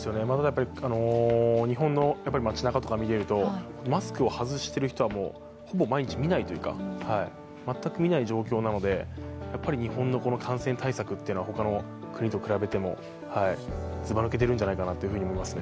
日本の街なかとか見ているとマスクを外している人はほぼ毎日見ないというか全く見ないという状況なので日本の感染対策は他の国と比べてもずば抜けているんじゃないかなと思いますね。